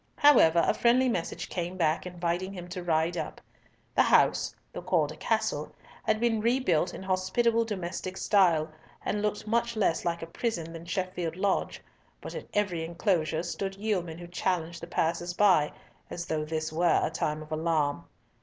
However, a friendly message came back, inviting him to ride up. The house—though called a castle—had been rebuilt in hospitable domestic style, and looked much less like a prison than Sheffield Lodge, but at every enclosure stood yeomen who challenged the passers by, as though this were a time of alarm.